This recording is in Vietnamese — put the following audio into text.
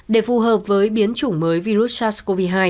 để phù hợp với biến chủng mới virus sars cov hai